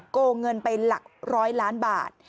โกงเงินไปหลักร้อยล้านบาท